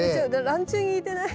ランチュウに似てない？